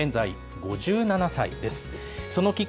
現在、５７歳です。